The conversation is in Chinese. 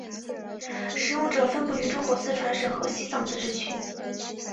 使用者分布于中国四川省和西藏自治区。